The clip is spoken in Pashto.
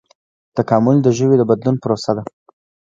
تکامل د ژویو د بدلون پروسه ده